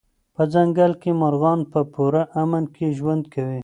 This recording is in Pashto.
په ځنګل کې مرغان په پوره امن کې ژوند کوي.